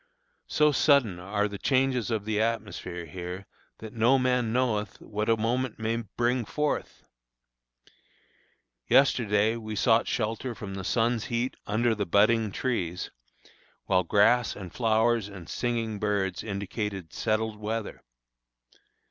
So sudden are the changes of the atmosphere here that "no man knoweth what a moment may bring forth." Yesterday we sought shelter from the sun's heat under the budding trees, while grass and flowers and singing birds indicated settled weather.